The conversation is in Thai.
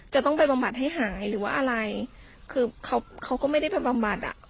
จะต้องไปบำบัดให้หายหรือว่าอะไรคือเขาเขาก็ไม่ได้ไปบำบัดอ่ะ